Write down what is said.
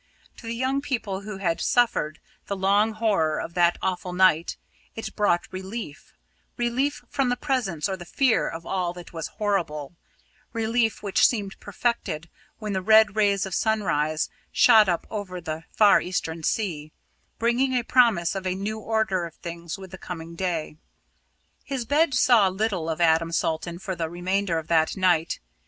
To the young people who had suffered the long horror of that awful night, it brought relief relief from the presence or the fear of all that was horrible relief which seemed perfected when the red rays of sunrise shot up over the far eastern sea, bringing a promise of a new order of things with the coming day. His bed saw little of Adam Salton for the remainder of that night.